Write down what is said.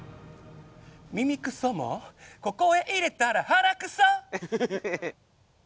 耳くそもここへ入れたら鼻くそ！